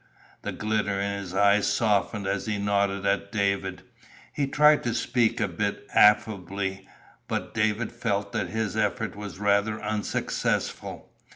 The glitter in his eyes softened as he nodded at David. He tried to speak a bit affably, but David felt that his effort was rather unsuccessful.